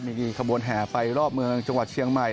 มีขบวนแห่ไปรอบเมืองจังหวัดเชียงใหม่